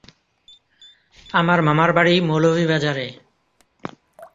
আমার মামার বাড়ি মৌলভীবাজারে।